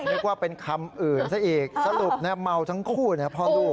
นึกว่าเป็นคำอื่นซะอีกสรุปเนี้ยเมาทั้งคู่เนี้ยพ่อดู